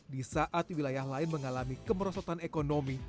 di saat wilayah lain mengalami kemerosotan ekonomi